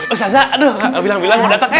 ustaz aduh bilang bilang mau datang